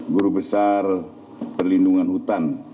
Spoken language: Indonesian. guru besar perlindungan hutan